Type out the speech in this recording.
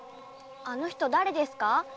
あの人誰ですか？